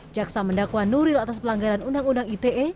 jaksa mendakwa nuril atas pelanggaran undang undang ite